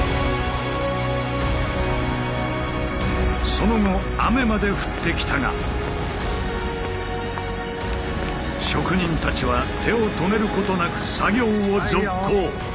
その後雨まで降ってきたが職人たちは手を止めることなく作業を続行。